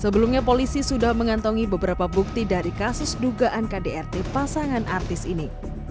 sebelumnya polisi sudah mengantongi beberapa bukti dari kasus dugaan kdrt pasangan artis ini